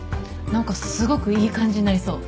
何かすごくいい感じになりそう。